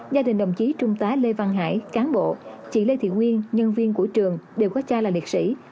gia đình đồng chí trung tá lê văn hải cán bộ chị lê thị nguyên nhân viên của trường đều có cha là liệt sĩ